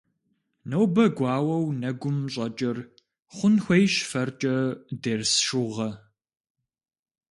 Нобэ гуауэу нэгум щӀэкӀыр хъун хуейщ фэркӀэ дерс шыугъэ.